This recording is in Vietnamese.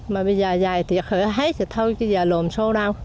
mà bây giờ dài tiệc hết rồi thôi chứ giờ lùm xô đâu